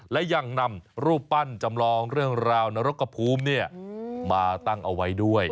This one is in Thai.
และยังนำรูปปั้นจำลองเรื่องราวนรกกระภูมิมาตั้งเอาไว้ด้วย